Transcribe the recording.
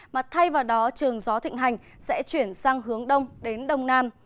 mà thay vào đó trường gió thịnh hành sẽ chuyển sang hướng đông đến đông nam